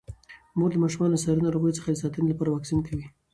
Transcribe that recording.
مور د ماشومانو د ساري ناروغیو څخه د ساتنې لپاره واکسین کوي.